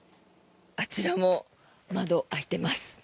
あちらも窓、開いています。